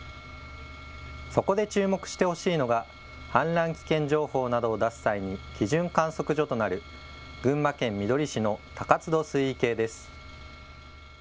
そこで注目してほしいのが氾濫危険情報などを出す際に基準観測所となる群馬県みどり市の高津戸水位計です。